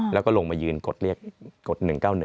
แล้วก็ลงมายืนกดเรียกกด๑๙๑